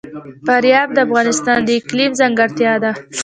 فاریاب د افغانستان د اقلیم ځانګړتیا ده.